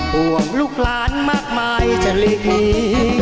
ห่วงลูกหลานมากมายจะลี